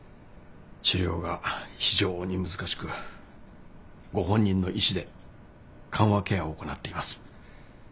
治療が非常に難しくご本人の意思で緩和ケアを行っています。